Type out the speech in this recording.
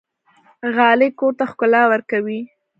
غالۍ کور ته ښکلا ورکوي.